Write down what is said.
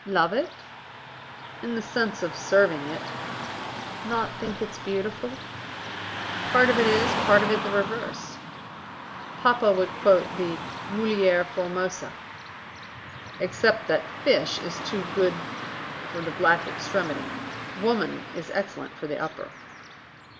"Love it?" "In the sense of serving it." "Not think it beautiful?" "Part of it is, part of it the reverse." "Papa would quote the 'mulier formosa'". "Except that 'fish' is too good for the black extremity. 'Woman' is excellent for the upper."